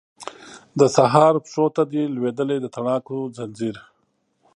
د سهار پښو ته دی لویدلی د تڼاکو ځنځیر